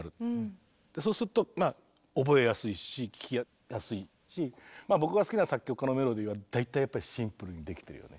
そうすると僕が好きな作曲家のメロディーは大体やっぱりシンプルにできてるよね。